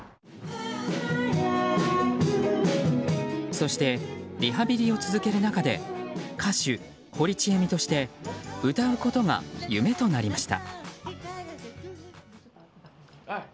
そしてリハビリを続ける中で歌手・堀ちえみとして歌うことが夢となりました。